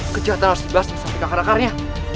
kejahatan harus dibahas dengan satu kakak akarnya